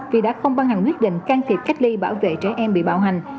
vì đã không băng hẳn quyết định can thiệp cách ly bảo vệ trẻ em bị bảo hành